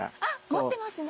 持ってますよね。